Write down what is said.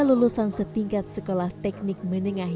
pria lulusan setingkat sekolah teknik menengahnya